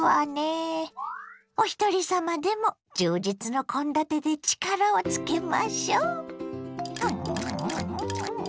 おひとり様でも充実の献立で力をつけましょ。